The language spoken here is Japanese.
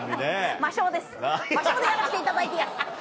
魔性でやらせていただいてやす。